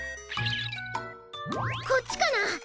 こっちかな？